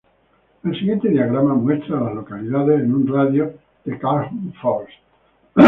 El siguiente diagrama muestra a las localidades en un radio de de Calhoun Falls.